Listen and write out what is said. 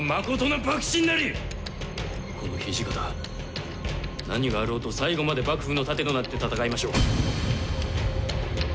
この土方何があろうと最後まで幕府の盾となって戦いましょう。